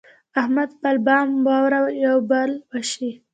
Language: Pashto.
احمد خپل بام واوره پر بل وشي.